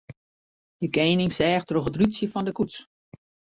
De kening seach troch it rútsje fan de koets.